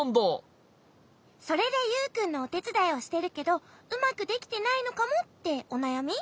それでユウくんのおてつだいをしてるけどうまくできてないのかもっておなやみ？